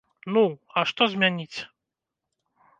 Ну, а што змяніць?